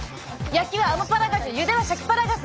焼きはアマパラガジュゆではシャキパラガス